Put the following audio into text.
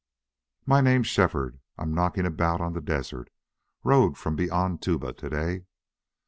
"My name's Shefford. I'm knocking about on the desert. Rode from beyond Tuba to day."